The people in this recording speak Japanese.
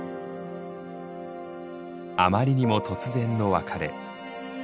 あまりにも突然の別れ。